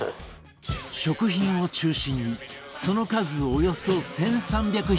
食品を中心にその数およそ１３００品目